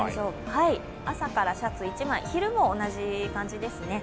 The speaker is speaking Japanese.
朝からシャツ１枚、昼も同じ感じですね。